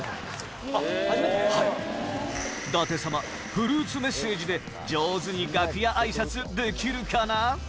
フルーツメッセージで上手に楽屋挨拶できるかな？